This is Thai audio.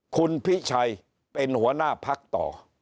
คุณพิชัยเป็นหัวหน้าพักต่อ